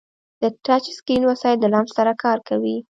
د ټچ اسکرین وسایل د لمس سره کار کوي.